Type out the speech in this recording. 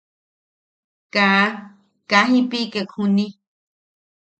Kaa... kaa jiʼipikek juni.